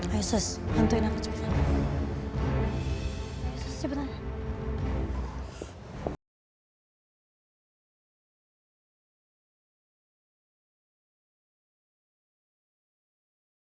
ayo sus bantuin aku cepetan